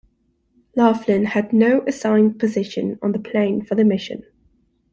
Laughlin had no assigned position on the plane for the mission.